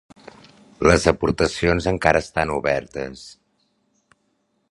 Les aportacions encara estan obertes.